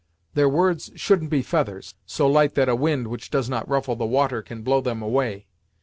Their words shouldn't be feathers, so light that a wind which does not ruffle the water can blow them away.